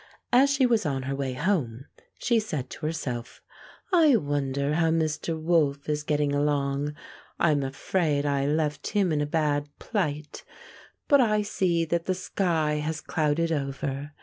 As she was on her way home she said to her self: "I wonder how Mr. Wolf is getting along. I'm afraid I. left him in a bad plight. 176 Fairy Tale Foxes but I see that the sky has clouded over.